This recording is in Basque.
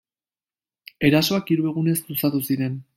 Erasoak hiru egunez luzatu ziren.